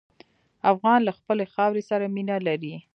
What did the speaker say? افغان له خپلې خاورې سره مینه لري.